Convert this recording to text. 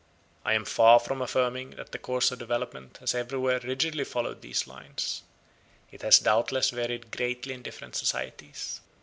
I am far from affirming that the course of development has everywhere rigidly followed these lines: it has doubtless varied greatly in different societies.